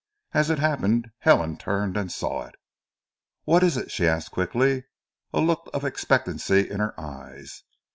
As it happened Helen turned and saw it. "What is it?" she asked quickly, a look of expectancy in her eyes.